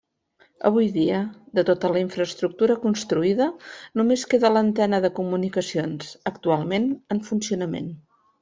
Avui dia, de tota la infraestructura construïda només queda l'antena de comunicacions, actualment en funcionament.